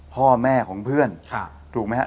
พ่อแม่ของเพื่อนถูกมั้ยฮะ